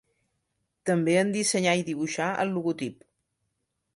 També en dissenyà i dibuixà el logotip.